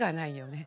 ね